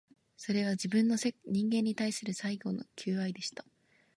それは、自分の、人間に対する最後の求愛でした